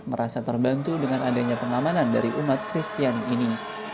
merasa terbantu dengan adanya pengamanan dari umat kristiani ini